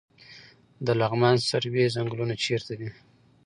د لغمان سروې ځنګلونه چیرته دي؟